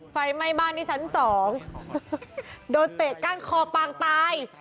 ไฟไหม้บ้านที่ชั้นสองโดนเตะก้านคอปางตาย